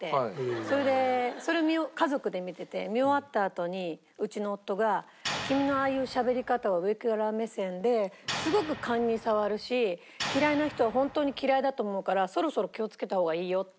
それでそれ家族で見てて見終わったあとにうちの夫が「君のああいうしゃべり方は上から目線ですごく癇に障るし嫌いな人は本当に嫌いだと思うからそろそろ気をつけた方がいいよ」って言ったの。